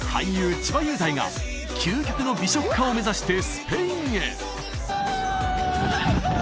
千葉雄大が究極の美食を目指してスペインへあ！